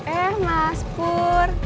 eh mas pur